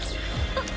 あっ！